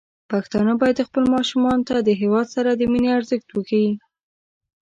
پښتانه بايد خپل ماشومان ته د هيواد سره د مينې ارزښت وښيي.